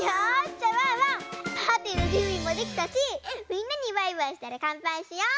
じゃあワンワンパーティーのじゅんびもできたしみんなにバイバイしたらかんぱいしよう！